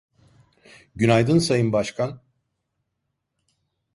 Günaydın Sayın Başkan.